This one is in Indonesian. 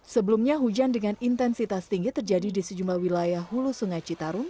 sebelumnya hujan dengan intensitas tinggi terjadi di sejumlah wilayah hulu sungai citarum